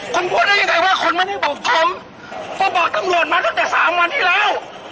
คุณพูดได้ยังไงว่าคุณไม่ได้บอกผมก็บอกตำรวจมาตั้งแต่สามวันที่แล้ว